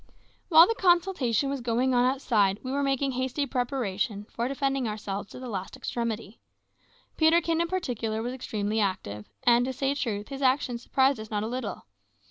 While the consultation was going on outside, we were making hasty preparation for defending ourselves to the last extremity. Peterkin, in particular, was extremely active, and, to say truth, his actions surprised us not a little.